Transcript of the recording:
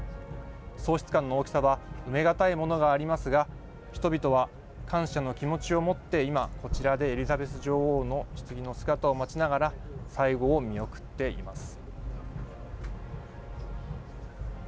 喪失感の大きさは埋めがたいものがありますが人々は感謝の気持ちを持って今、こちらでエリザベス女王のひつぎの姿を待ちながら最後を見送っています。